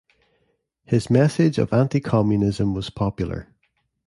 His message of anti-communism was popular.